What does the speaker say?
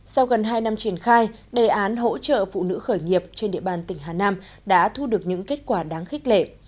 sau gần hai năm triển khai đề án hỗ trợ phụ nữ khởi nghiệp trên địa bàn tỉnh hà nam đã thu được những kết quả đáng khích lệ